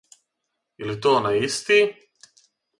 Је ли то онај исти?